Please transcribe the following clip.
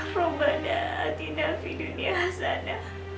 rabbana atina fidunia hasanah